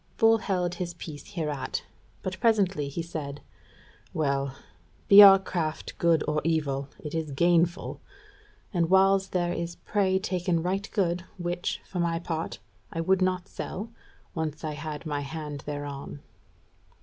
Bull held his peace hereat, but presently he said: "Well, be our craft good or evil, it is gainful; and whiles there is prey taken right good, which, for my part, I would not sell, once I had my hand thereon."